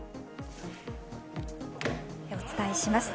お伝えします。